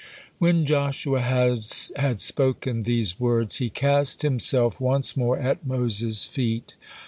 When Joshua has spoken these words, he cast himself once more at Moses' feet.